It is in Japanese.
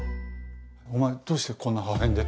お前どうしてこんな破片で。